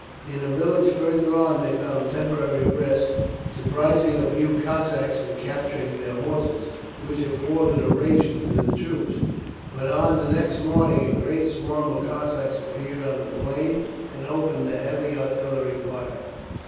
In a village further on they found temporary rest, surprising a few Cossacks and capturing their horses, which afforded a ration to the troops; but on the next morning a great swarm of Cossacks appeared on the plain and opened a heavy artillery fire.